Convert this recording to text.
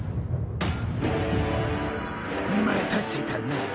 待たせたな！